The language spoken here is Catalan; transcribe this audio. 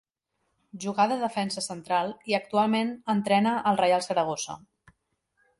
Jugà de defensa central i actualment entrena el Reial Saragossa.